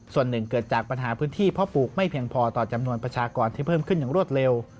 ส่วนหนึ่งเกิดจากปัญหาพื้นที่เพาะปลูกไม่เพียงพอต่อจำนวนประชากรที่เพิ่มขึ้นอย่างรวดเร็ว